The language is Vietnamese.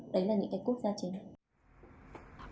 đấy là những cái quốc gia trên đó